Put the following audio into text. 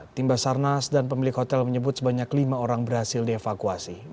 tim basarnas dan pemilik hotel menyebut sebanyak lima orang berhasil dievakuasi